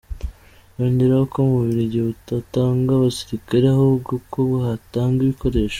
Yongeraho ko u Bubiligi butatanga abasirikare ahubwo ko bwatanga ibikoresho.